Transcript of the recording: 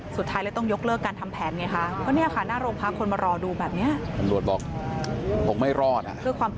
สุดท้ายเลยต้องยกเลิกการทำแผนไงคะ